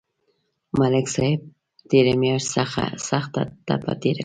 ملک صاحب تېره میاشت سخته تبه تېره کړه